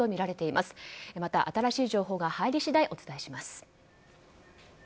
また、新しい情報が入り次第お伝えします。